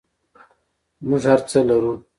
موږ هر څه لرو؟